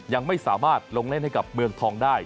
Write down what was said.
ยังไม่สามารถลงเล่นให้กับเมืองทองได้